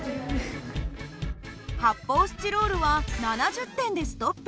発泡スチロールは７０点でストップ。